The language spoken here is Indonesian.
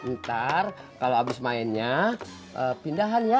ntar kalau habis mainnya pindahan ya